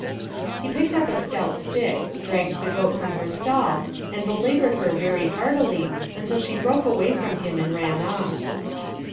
" He picked up a stout stick, dragged the goat from her stall and belabored her very heartily until she broke away from him and ran off.